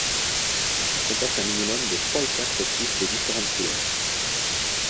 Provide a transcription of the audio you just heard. Il comporte un minimum de trois ou quatre couches de différentes couleurs.